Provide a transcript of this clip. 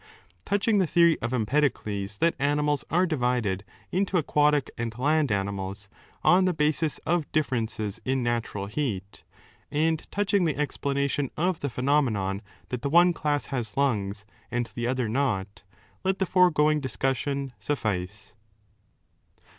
Touching the theory of Empedocles that animals are 9 divided into aquatic and land animals on the basis of differences in natural heat, and touching the explanation of the phenomenon that the one class has lungs and the other not, let the foregoing discussion suffice.